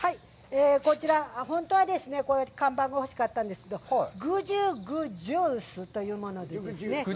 こちら、本当はですね、看板が欲しかったんですけど、ぐじゅぐジュースというものですね。